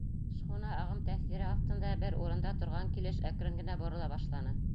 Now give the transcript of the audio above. Шхуна ағым тәьҫире аҫтында бер урында торған килеш әкрен генә борола башланы.